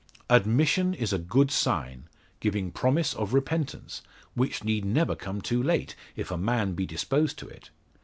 "Admission is a good sign giving promise of repentance, which need never come too late if a man be disposed to it.